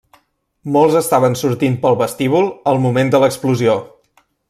Molts estaven sortint pel vestíbul al moment de l'explosió.